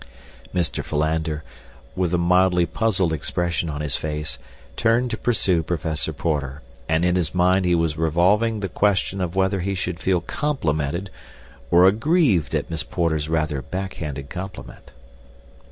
Mr. Philander, with a mildly puzzled expression on his face, turned to pursue Professor Porter, and in his mind he was revolving the question of whether he should feel complimented or aggrieved at Miss Porter's rather backhanded compliment.